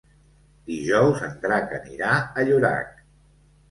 Dijous en Drac anirà a Llorac.